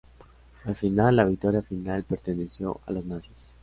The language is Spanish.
Al final, la victoria final perteneció a los nazis.